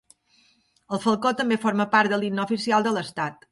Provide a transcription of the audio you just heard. El falcó també forma part de l'himne oficial de l'estat.